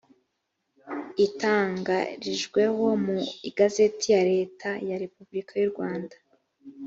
itangarijweho mu igazeti ya leta ya repubulika y’u rwanda